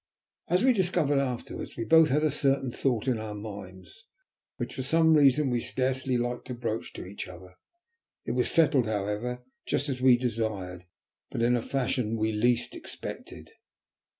As we discovered afterwards, we both had a certain thought in our minds, which for some reason we scarcely liked to broach to each other. It was settled, however, just as we desired, but in a fashion we least expected.